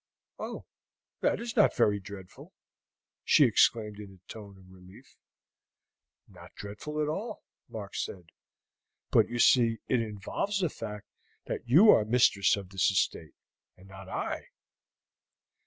"Oh, that is not very dreadful!" she exclaimed in a tone of relief. "Not dreadful at all," Mark said. "But you see it involves the fact that you are mistress of this estate, and not I."